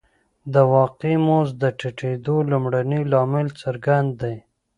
د واقعي مزد د ټیټېدو لومړنی لامل څرګند دی